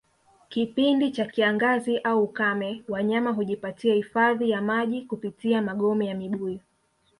Kipindi cha kiangazi au ukame Wanyama hujipatia hifadhi ya maji kupitia magome ya mibuyu